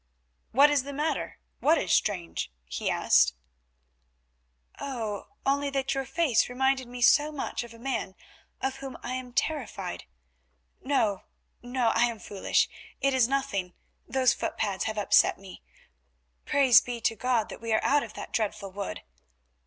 "What is the matter? What is strange?" he asked. "Oh!—only that your face reminded me so much of a man of whom I am terrified. No, no, I am foolish, it is nothing, those footpads have upset me. Praise be to God that we are out of that dreadful wood!